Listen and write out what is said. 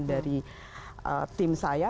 dari tim saya